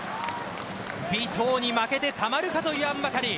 尾藤に負けてたまるかと言わんばかり。